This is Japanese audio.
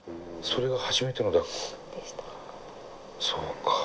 そうかあ。